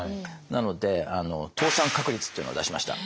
なので倒産確率っていうのを出しました。